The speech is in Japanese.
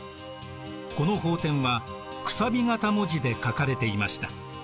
この法典は楔形文字で書かれていました。